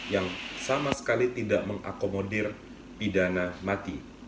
yang sama sekali tidak mengakomodir pidana mati